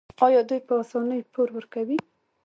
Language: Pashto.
آیا دوی په اسانۍ پور ورکوي؟